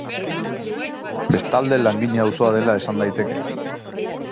Bestalde langile auzoa dela esan daiteke.